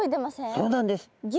そうなんです。